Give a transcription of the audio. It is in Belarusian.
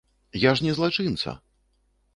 Я ж не злачынца!